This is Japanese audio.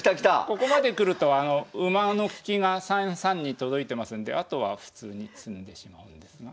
ここまで来ると馬の利きが３三に届いてますんであとは普通に詰んでしまうんですが。